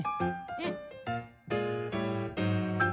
うん。